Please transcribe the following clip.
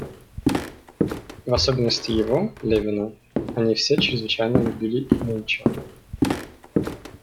В особенности его, Левина, они все чрезвычайно любили нынче.